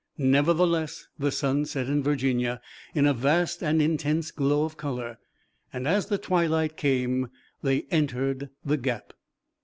Nevertheless, the sun set in Virginia in a vast and intense glow of color, and as the twilight came they entered the gap.